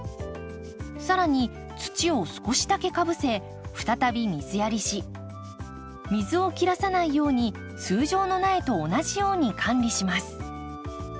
更に土を少しだけかぶせ再び水やりし水を切らさないように通常の苗と同じように管理します。